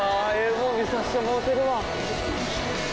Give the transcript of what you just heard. もん見させてもろうてるわ。